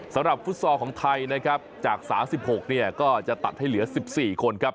ฟุตซอลของไทยนะครับจาก๓๖เนี่ยก็จะตัดให้เหลือ๑๔คนครับ